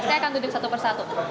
saya akan tunjuk satu persatu